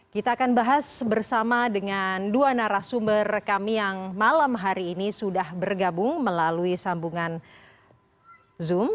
kita akan bahas bersama dengan dua narasumber kami yang malam hari ini sudah bergabung melalui sambungan zoom